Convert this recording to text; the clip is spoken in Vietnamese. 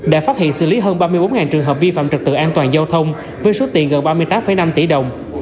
đã phát hiện xử lý hơn ba mươi bốn trường hợp vi phạm trật tự an toàn giao thông với số tiền gần ba mươi tám năm tỷ đồng